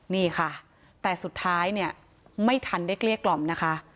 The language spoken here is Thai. นี่ค่ะแต่สุดท้ายเนี่ยไม่ทันได้เกลี้ยกล่อมนะคะ